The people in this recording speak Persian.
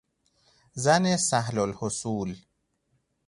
زن سهلالحصول